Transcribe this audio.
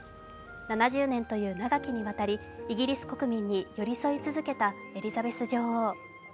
７０年という長きにわたり、イギリス国民に寄り添い続けたエリザベス女王。